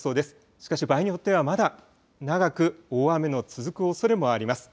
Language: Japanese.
しかし場合によってはまだ長く大雨の続くおそれもあります。